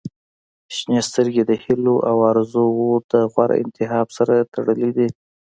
• شنې سترګې د هیلو او آرزووو د غوره انتخاب سره تړلې دي.